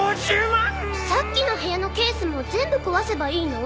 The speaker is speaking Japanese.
さっきの部屋のケースも全部壊せばいいの？